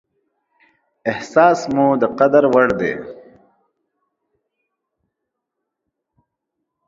احساس مو د قدر وړ دى.